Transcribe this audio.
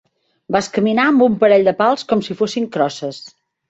Vas caminar amb un parell de pals com si fossin crosses.